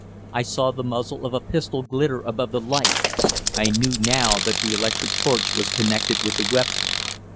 I saw the muzzle of a pistol glitter above the light I knew now that the electric torch was connected with the weapon.